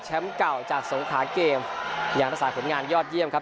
เก่าจากสงขาเกมยังรักษาผลงานยอดเยี่ยมครับ